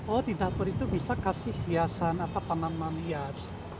oh di dapur itu bisa kasih hiasan atau tanaman hias